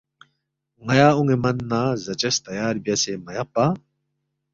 ن٘یا اون٘ے من نہ زاچس تیار بیاسے مہ یقپا؟